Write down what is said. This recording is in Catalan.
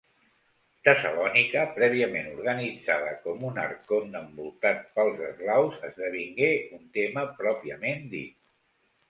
Tessalònica, prèviament organitzada com un arcont envoltat pels eslaus, esdevingué un tema pròpiament dit.